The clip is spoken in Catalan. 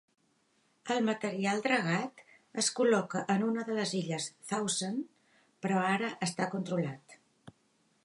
El material dragat es col·loca en una de les illes Thousand, però ara està controlat.